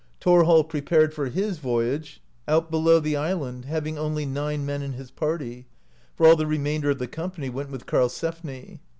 Thorhall prepared for his voyage out below the island, having only nine men in his party, for all the re mainder of the company went with Karlsefni.